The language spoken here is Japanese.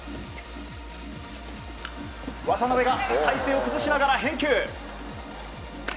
渡辺が体勢を崩しながら返球。